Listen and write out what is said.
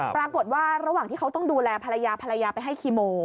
ปรากฏว่าระหว่างที่เขาต้องดูแลภรรยาภรรยาไปให้คีโม